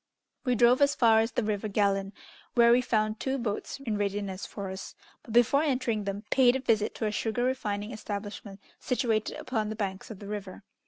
We drove as far as the river Gallon, where we found two boats in readiness for us, but, before entering them, paid a visit to a sugar refining establishment situated upon the banks of the river.